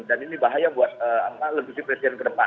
dan ini bahaya buat legusi presiden kedepan